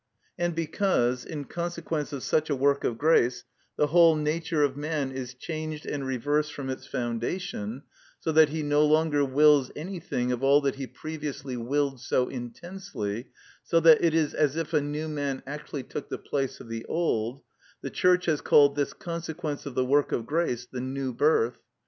And because, in consequence of such a work of grace, the whole nature of man is changed and reversed from its foundation, so that he no longer wills anything of all that he previously willed so intensely, so that it is as if a new man actually took the place of the old, the Church has called this consequence of the work of grace the new birth.